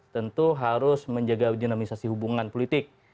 tentu harus menjaga dinamisasi hubungan politik